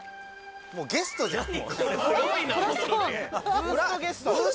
もうゲストじゃん。